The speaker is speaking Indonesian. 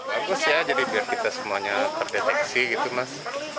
bagus ya jadi biar kita semuanya terdeteksi gitu mas